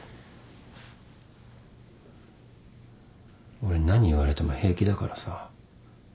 俺何言われても平気だからさ。